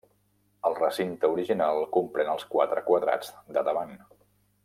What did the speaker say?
El recinte original comprèn els quatre quadrats de davant.